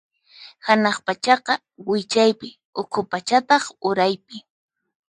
Hanaq pachaqa wichaypi, ukhu pachataq uraypi.